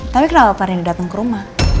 tapi kenapa pak randy dateng ke rumah